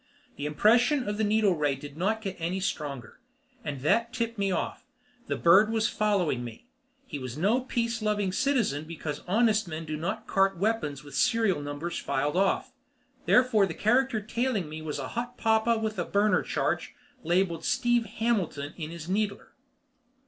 The impression of the needle ray did not get any stronger, and that tipped me off. The bird was following me. He was no peace loving citizen because honest men do not cart weapons with the serial numbers filed off. Therefore the character tailing me was a hot papa with a burner charge labelled "Steve Hammond" in his needler.